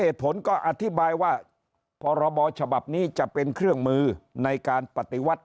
เหตุผลก็อธิบายว่าพรบฉบับนี้จะเป็นเครื่องมือในการปฏิวัติ